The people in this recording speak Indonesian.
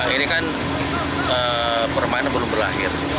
ini kan permainan belum berakhir